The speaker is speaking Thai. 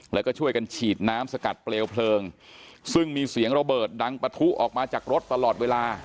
แล้วก็ช่วยกันฉีดน้ำสกัดเปลวเพลิงซึ่งมีเสียงระเบิดดังปะทุออกมาจากรถตลอดเวลา